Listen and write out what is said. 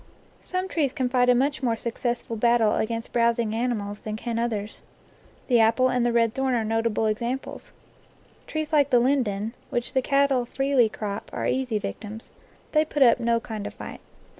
Some trees can fight a much more successful battle against browsing animals than can others. The apple and the red thorn are notable examples. Trees like the linden, which the cattle freely crop, are easy victims; they put up no kind of fight.